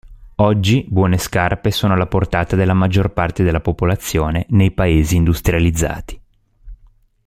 Oggi buone scarpe sono alla portata della maggior parte della popolazione nei paesi industrializzati.